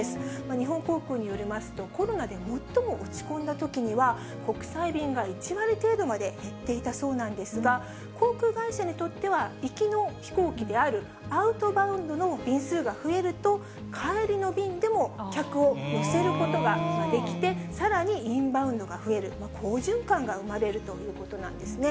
日本航空によりますと、コロナで最も落ち込んだときには、国際便が１割程度まで減っていたそうなんですが、航空会社にとっては、行きの飛行機であるアウトバウンドの便数が増えると、帰りの便でも客を乗せることができて、さらにインバウンドが増える、好循環が生まれるということなんですね。